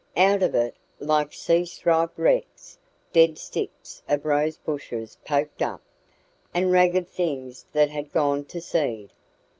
Out of it, like sea stripped wrecks, dead sticks of rose bushes poked up, and ragged things that had gone to seed.